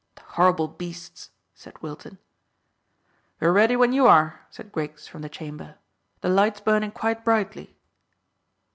"The horrible beasts!" said Wilton. "We're ready when you are," said Griggs from the chamber. "The light's burning quite brightly."